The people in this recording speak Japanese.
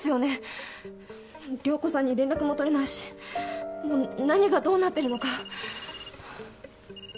涼子さんに連絡も取れないしもう何がどうなってるのか。